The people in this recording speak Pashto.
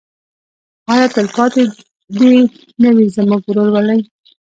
آیا تلپاتې دې نه وي زموږ ورورولي؟